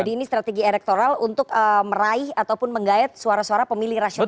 jadi ini strategi elektoral untuk meraih ataupun menggayat suara suara pemilih rasional